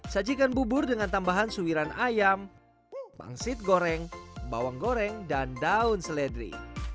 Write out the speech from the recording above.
sajikan bubur dengan tambahan suiran ayam pangsit goreng bawang goreng dan daun seledri